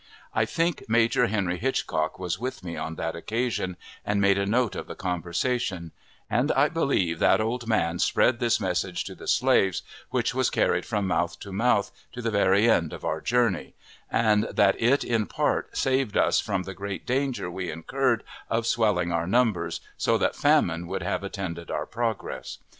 I think Major Henry Hitchcock was with me on that occasion, and made a note of the conversation, and I believe that old man spread this message to the slaves, which was carried from mouth to mouth, to the very end of our journey, and that it in part saved us from the great danger we incurred of swelling our numbers so that famine would have attended our progress.